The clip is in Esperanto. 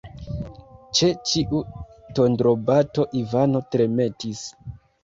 Ĉe ĉiu tondrobato Ivano tremetis.